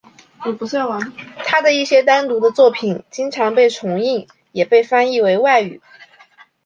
他的一些单独的作品经常被重印也被翻译为外语。